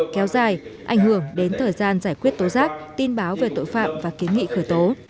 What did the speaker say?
kéo dài ảnh hưởng đến thời gian giải quyết tố giác tin báo về tội phạm và kiến nghị khởi tố